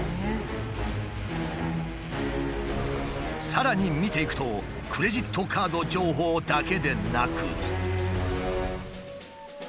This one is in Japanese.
さらに見ていくとクレジットカード情報だけでなく。